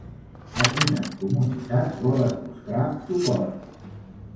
A quines comunitats volen mostrar suport?